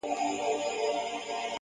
هوښیار انسان د احساساتو توازن ساتي!